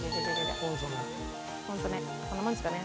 コンソメこんなもんですかね？